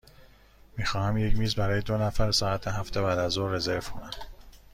می خواهم یک میز برای دو نفر ساعت هفت بعدازظهر رزرو کنم.